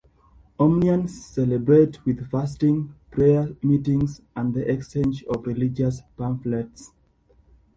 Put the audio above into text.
Omnians celebrate with fasting, prayer meetings, and the exchange of religious pamphlets.